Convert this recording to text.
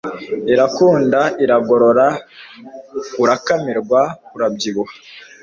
irakunda iragorora urakamirwa urabyibuha